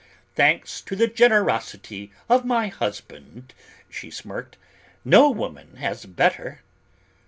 "Thanks to the generosity of my husband," she smirked, "no woman has better."